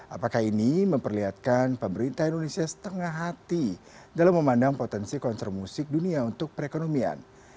apakah ini memperlihatkan pemerintah indonesia setengah hati dalam memandang potensi konser musik dunia untuk perekonomian